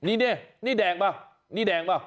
นี่นี่แดงป่ะนี่แดงป่ะ